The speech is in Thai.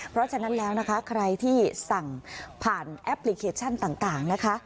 เพราะฉะนั้นแล้วนะคะใครที่สั่งผ่านแอปพลิเคชันต่างนะคะ